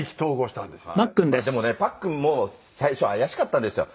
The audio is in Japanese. まあでもねパックンも最初怪しかったんですよ。